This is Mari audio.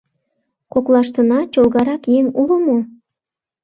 — Коклаштына чолгарак еҥ уло мо?